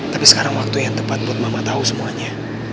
tapi sekarang waktu yang tepat buat mama tahu semuanya